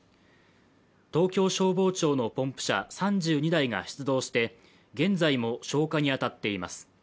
東京消防庁のポンプ車３２台が出動して現在も消火に当たっています。